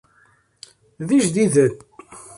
D ijdiden.